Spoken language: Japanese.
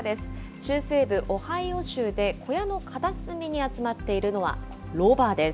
中西部オハイオ州で小屋の片隅に集まっているのはロバです。